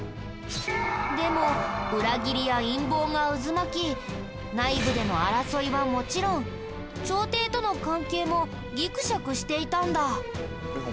でも裏切りや陰謀が渦巻き内部での争いはもちろん朝廷との関係もギクシャクしていたんだ。